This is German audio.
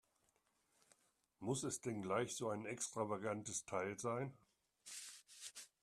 Muss es denn gleich so ein extravagantes Teil sein?